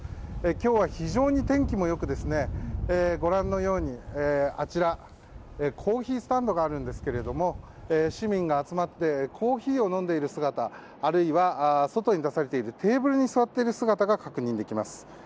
今日は非常に天気も良くご覧のようにあちら、コーヒースタンドがあるんですけれども市民が集まってコーヒーを飲んでいる姿あるいは、外に出されているテーブルに座っている姿が確認できます。